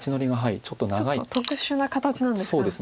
ちょっと特殊な形なんですか。